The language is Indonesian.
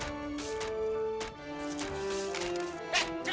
hei jaga dia